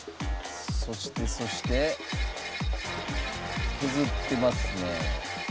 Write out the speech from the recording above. そしてそして削ってますね。